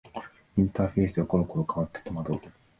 インターフェースがころころ変わって戸惑う